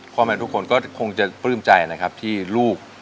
แม่ทุกคนก็คงจะปลื้มใจนะครับที่ลูก